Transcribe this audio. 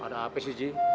ada apa sih ji